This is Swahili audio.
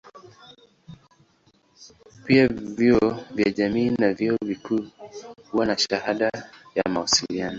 Pia vyuo vya jamii na vyuo vikuu huwa na shahada ya mawasiliano.